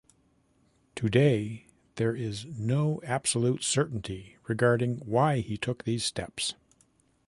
Today, there is no absolute certainty regarding why he took these steps.